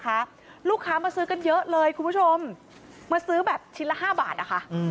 ลูกค้ามาซื้อกันเยอะเลยคุณผู้ชมมาซื้อแบบชิ้นละห้าบาทนะคะอืม